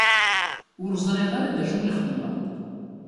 Ur ẓriɣ ara d acu i xedmeɣ.